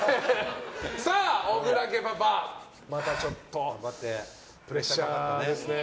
小倉家パパ、またちょっとプレッシャーですね。